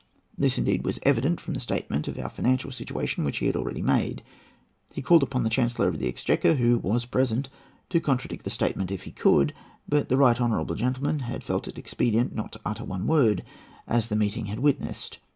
This, indeed, was evident from the statement of our financial situation which he had already made. He had called upon the Chancellor of the Exchequer, who was present, to contradict that statement if he could; but the right honourable gentleman had felt it expedient not to utter one word, as the meeting had witnessed.